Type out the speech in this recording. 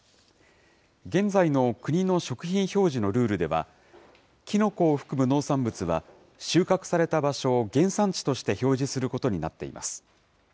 現在の国の食品表示のルールでは、きのこを含む農産物は、収穫された場所を原産地として表示することになっています。